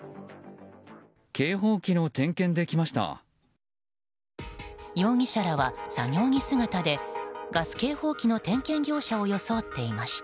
警報器の点検で来ました。